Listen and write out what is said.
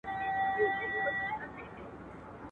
اوبه د لويه سره خړي دي.